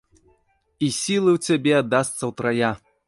І сілы у цябе аддасца утрая.